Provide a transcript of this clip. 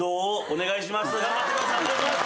お願いします